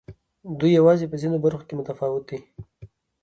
دوی یوازې په ځینو برخو کې متفاوت دي.